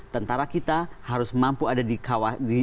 tentara kita harus mampu ada di kawasan